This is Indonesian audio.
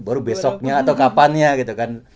baru besoknya atau kapannya gitu kan